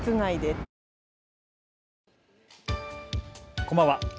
こんばんは。